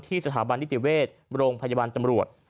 สถาบันนิติเวชโรงพยาบาลตำรวจ